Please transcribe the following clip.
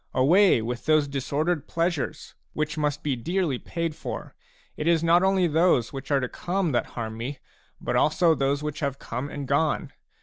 Away with those disordered pleasures, which must be dearly paid for ; it is not only those which are to come that harm me, but also those which have come and gone.